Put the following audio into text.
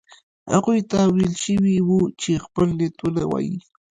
هغوی ته ویل شوي وو چې خپل نیت ونه وايي.